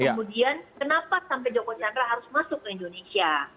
kemudian kenapa sampai joko chandra harus masuk ke indonesia